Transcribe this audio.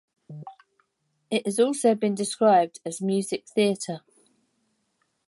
It has also been described as music theater.